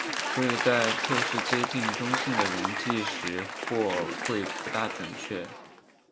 所以在测试接近中性的溶剂时或会不大准确。